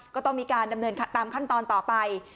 ก็ต้องมีการดำเนินตามขั้นตอนต่อไป